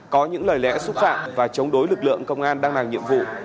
có những lời lẽ xúc phạm và chống đối lực lượng công an đang làm nhiệm vụ